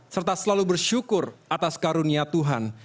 serta selalu bersyukur atas karunia tuhan